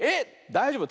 だいじょうぶ。